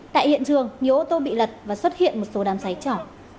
tại hiện trường nhiều ô tô bị lật và xuất hiện một số đám xáy trỏ